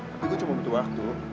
tapi gue cuma butuh waktu